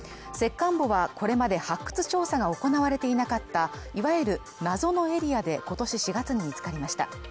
石棺墓は、これまで発掘調査が行われていなかった、いわゆる謎のエリアで、今年４月に見つかりました。